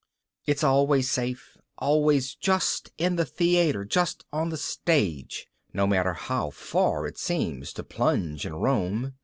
It's always safe, always just in the theatre, just on the stage, no matter how far it seems to plunge and roam